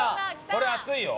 これ熱いよ。